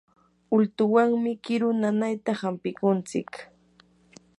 ultuwanmi kiru nanayta hampikuntsik.